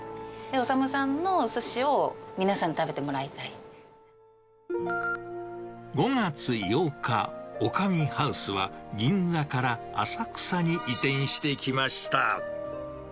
修さんのおすしを皆さんに食べて５月８日、オカミハウスは、銀座から浅草に移転してきました。